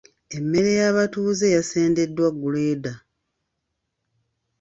Emmere y’abatuuze yasendeddwa gguleeda.